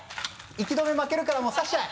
息止め負けるからもう刺しちゃえ。